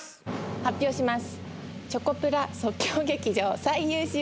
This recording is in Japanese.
発表します！